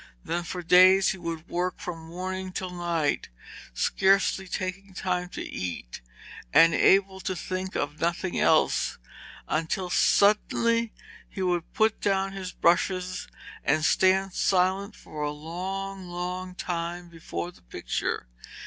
Then for days he would work from morning till night, scarcely taking time to eat, and able to think of nothing else, until suddenly he would put down his brushes and stand silently for a long, long time before the picture.